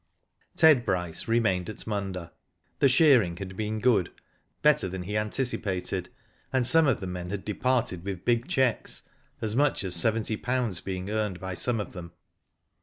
Ted Bryce remained at Munda. The shearing had been 'gOod, better than he Anticipated^ and some of the men had departed Digitized byGoogk i82 WHO DID IT? with big cheques, as much as seventy pounds being earned by some of them.